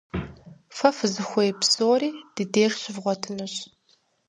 Фэ фызыхуей псори ди деж щывгъуэтынущ.